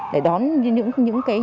để đón những bệnh nhân mà đã mắc covid